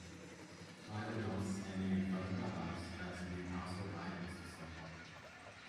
Five adults standing in front of a house fastening house hold items to someone.